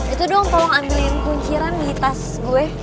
itu dong tolong ambilin kunciran di tas gue